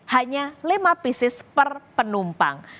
hanya lima pieces per penumpang